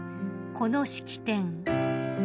この式典］